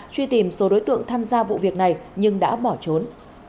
truy tìm số đối tượng tham gia vụ việc này nhưng đã bỏ trốn